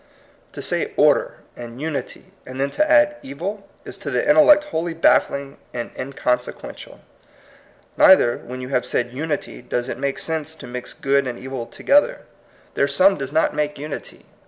To say "order" and "unity," and then to add "evil," is to the intellect wholly bafiSing and inconsequential. Neither, when you have said "unity," does it make sense to mix good and evil together. Their sum THE DIVINE UNIVERSE. 49 does not make unity.